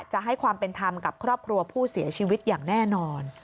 จะให้ความเป็นธรรมกับครอบครัวผู้เสียชีวิตอย่างแน่นอน